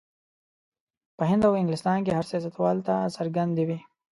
په هند او انګلستان کې هر سیاستوال ته څرګندې وې.